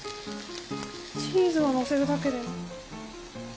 チーズをのせるだけで。